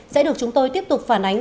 sẽ được chúng tôi tiếp tục phản ánh